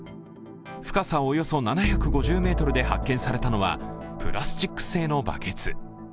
深さおよそ７５０ｍで発見されたのはプラスチック製のバケツ。